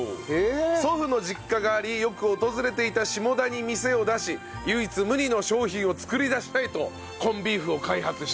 祖父の実家がありよく訪れていた下田に店を出し唯一無二の商品を作り出したいとコンビーフを開発したと。